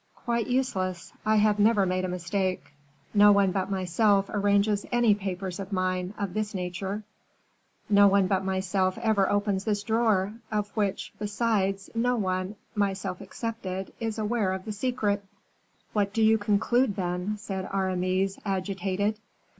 "Quite useless; I have never made a mistake; no one but myself arranges any papers of mine of this nature; no one but myself ever opens this drawer, of which, besides, no one, myself excepted, is aware of the secret." "What do you conclude, then?" said Aramis, agitated.